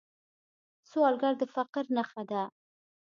سوالګر د فقر نښه ده